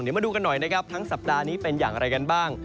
เดี๋ยวมาดูกันหน่อยนะครับทั้งสัปดาห์นี้เป็นอย่างไรกันบ้าง